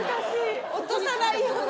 落とさないように。